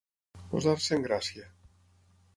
Posar-se en gràcia.